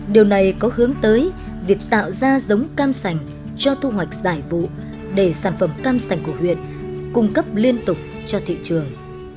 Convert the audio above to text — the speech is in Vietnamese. điều này có hướng tới việc tạo ra giống cam sành cho thu hoạch giải vụ để sản phẩm cam sành của huyện cung cấp liên tục cho thị trường